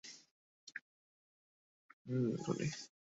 ধ্বনি: ভাষার ক্ষুদ্রতম উপাদান হলো ধ্বনি।